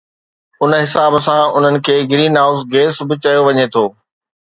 ان حساب سان انهن کي گرين هائوس گيس به چيو وڃي ٿو